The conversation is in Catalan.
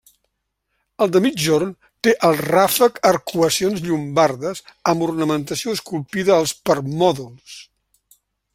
El de migjorn té al ràfec arcuacions llombardes amb ornamentació esculpida als permòdols.